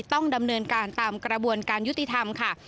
ต้องดำเนินการตามกระบวนการยุติธรรมค่ะ